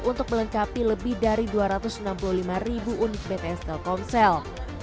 untuk melengkapi lebih dari dua ratus enam puluh lima ribu unit bts telkomsel